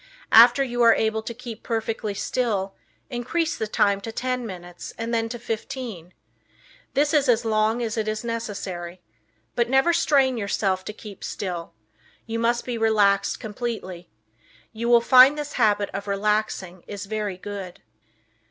After you are able to keep perfectly still, increase the time to ten minutes and then to fifteen. This is as long as it is necessary. But never strain yourself to keep still. You must be relaxed completely. You will find this habit of relaxing is very good.